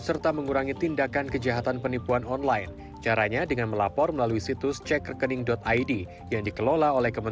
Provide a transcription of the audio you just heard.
yang ketiga jangan panik dulu